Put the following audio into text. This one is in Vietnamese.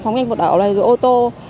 phóng nhanh vật ở ô tô